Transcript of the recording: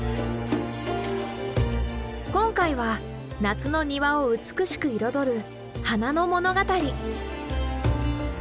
今回は夏の庭を美しく彩る花の物語。